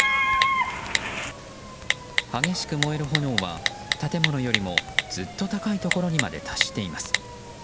激しく燃える炎は、建物よりもずっと高いところにまで達しています。